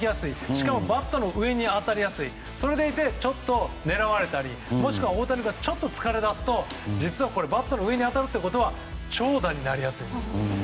しかもバットの上に当たりやすいそれでいてちょっと狙われたりもしくは大谷君がちょっと疲れだすと実はバットの上に当たるということは長打になりやすいです。